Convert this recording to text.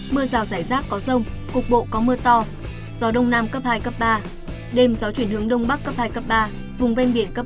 mưa rào dài rác có rông cục bộ có mưa to gió đông nam cấp hai ba đêm gió chuyển hướng đông bắc cấp hai ba vùng ven biển cấp bốn năm